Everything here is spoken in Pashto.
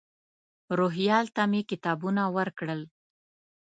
روهیال ته مې کتابونه ورکړل.